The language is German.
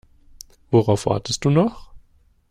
Worauf wartest du noch?